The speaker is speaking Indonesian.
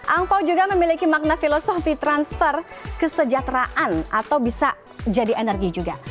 angpao juga memiliki makna filosofi transfer kesejahteraan atau bisa jadi energi juga